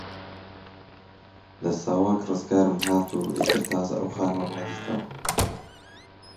لە ساواک ڕزگارم هات و ئیتر تازە ئەو خانووەم نەدیتەوە